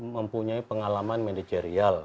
mempunyai pengalaman manajerial